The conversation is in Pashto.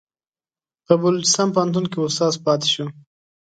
په بلوچستان پوهنتون کې استاد پاتې شو.